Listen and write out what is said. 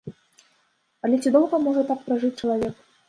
Але ці доўга можа так пражыць чалавек?